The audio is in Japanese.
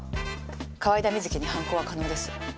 河井田瑞希に犯行は可能です。